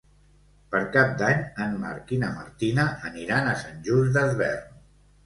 Per Cap d'Any en Marc i na Martina aniran a Sant Just Desvern.